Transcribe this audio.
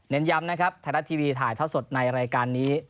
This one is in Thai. เน้นย้ำนะครับธนาทีวีถ่ายเท่าสดในรายการนี้